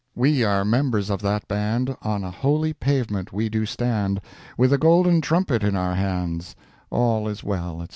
We are members of that band, On a holy pavement we do stand, With a golden trumpet in our hands, All is well, &c.